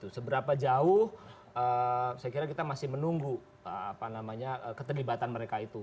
seberapa jauh saya kira kita masih menunggu keterlibatan mereka itu